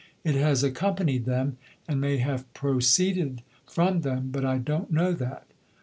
It has accompanied them, and may have proceeded from them but I don't know that.